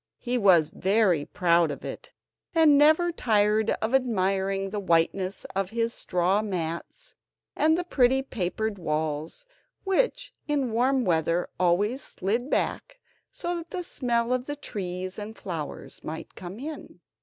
He was very proud of it, and never tired of admiring the whiteness of his straw mats, and the pretty papered walls, which in warm weather always slid back, so that the smell of the trees and flowers might come in.